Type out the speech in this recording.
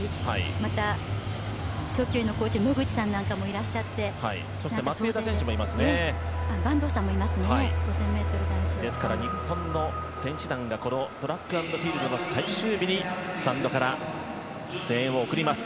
また長距離のコーチの野口さんなんかもですから日本の選手団がこのトラックアンドフィールドの最終日にスタンドから声援を送ります。